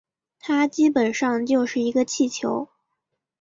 它基本上就是一个气球